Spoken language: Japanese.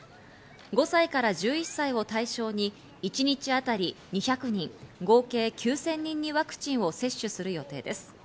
５歳から１１歳を対象に一日当たり２００人、合計９０００人にワクチンを接種する予定です。